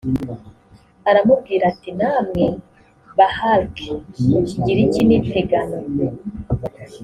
aramubwira ati namwe bahalk mu kigiriki ni peganon